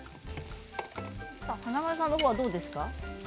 華丸さんの方はどうですか。